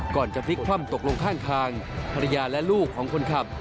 ก่อนจะพลิกคว่ำตกลงข้างทางภรรยาและลูกของคนขับ